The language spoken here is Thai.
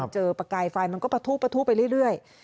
ประกายไฟมันก็ปะทุประทุไปเรื่อย